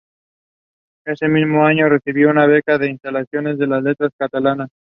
Este mismo año recibió una beca de la Institución de las Letras Catalanas.